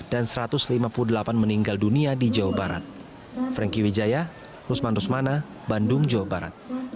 dan satu ratus lima puluh delapan meninggal dunia di jawa barat